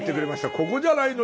「ここじゃないの？